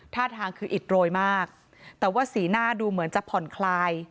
ท่าทางคืออิดโรยมากแต่ว่าสีหน้าดูเหมือนจะผ่อนคลาย